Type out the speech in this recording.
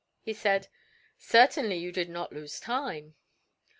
He said, "Certainly you did not lose time."